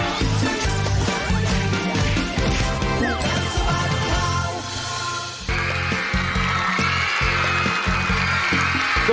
สวัสดีครับ